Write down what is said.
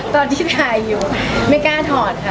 ตอนที่ถ่ายอยู่ไม่กล้าถอดค่ะ